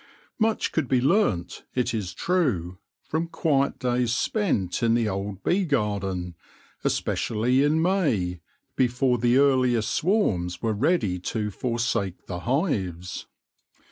Much could be learnt, it is true, from quiet days cpfmt in thft old bee garden, especially in May, before the earliest swarms were ready to forsake the hives.